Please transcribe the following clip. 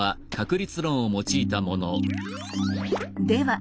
では